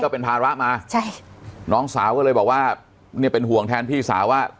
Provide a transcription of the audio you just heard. เป็นภาระมาใช่น้องสาวก็เลยบอกว่าเนี่ยเป็นห่วงแทนพี่สาวว่า